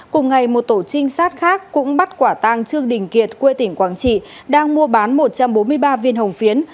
cùng ngày một tổ trinh sát khác cũng bắt quả tang trương đình kiệt quê tỉnh quảng trị đang mua bán một trăm bốn mươi ba viên hồng phiến